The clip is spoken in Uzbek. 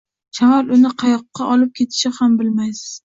Shamol uni qayoqqa olib ketishini ham bilmaysiz.